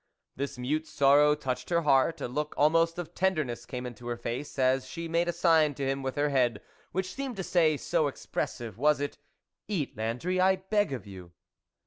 This mute sorrow touched her heart ; a look almost of tenderness came into her face, as she made a sign to him with her head, which seemed to say, so expressive was it, "Eat, Landry, I beg of you."